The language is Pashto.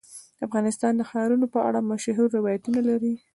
افغانستان د ښارونو په اړه مشهور روایتونه لري.